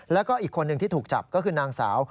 แล้วก็อีกคนหนึ่งที่ถูกจับก็คือนางสาว